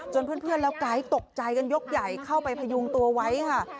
เพื่อนแล้วไกด์ตกใจกันยกใหญ่เข้าไปพยุงตัวไว้ค่ะ